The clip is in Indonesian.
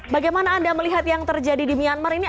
bagaimana anda melihat yang terjadi di myanmar ini